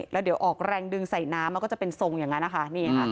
แล้วเดี๋ยวออกแรงดึงใส่น้ำมันก็จะเป็นทรงอย่างนั้นนะคะ